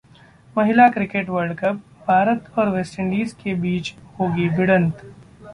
महिला cricket world cup: Bharat और West Indies के बीच होगी भिड़ंत